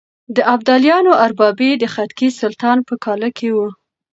د ابدالیانو اربابي د خدکي سلطان په کاله کې وه.